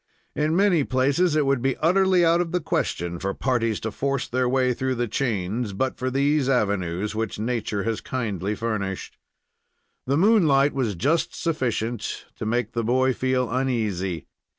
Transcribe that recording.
In many places it would be utterly out of the question for parties to force their way through the chains but for these avenues, which nature has kindly furnished. The moonlight was just sufficient to make the boy feel uneasy.